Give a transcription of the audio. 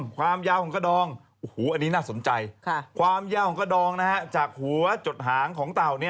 ความยาวของกระดองอันนี้น่าสนใจความยาวของกระดองจากหัวจดหางของเต่า